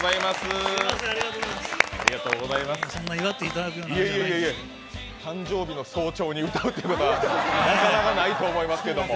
祝っていただくようなあれじゃないのに誕生日の早朝に歌うということはなかなかないと思いますけれども。